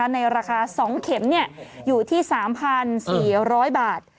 ในราคา๒เข็มอยู่ที่๓๔๐๐บาท